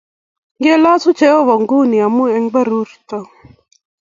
Kilosu Jehovah nguno amun en berurto